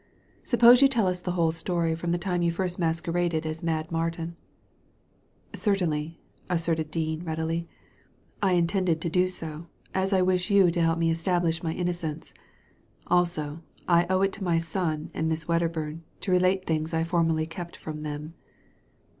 Suppose you tell us the whole story from the time you first masqueraded as Mad Martin," " Certainly," assented Dean, readily. I intended to do so, as I wish you to help me to establish my innocence. Also, I owe it to my son and Miss Wedderburn to relate things I formerly kept from them."